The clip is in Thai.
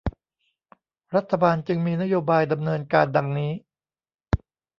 รัฐบาลจึงมีนโยบายดำเนินการดังนี้